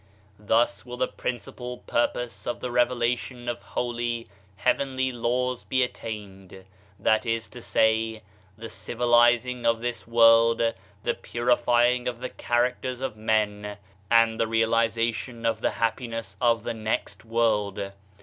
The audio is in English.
Thus will the principal purpose of the revela tion of holy, heavenly laws be attained— that is to say, the civilizing of this world, the purifying of the characters of men and the realization of the happiness of the next world.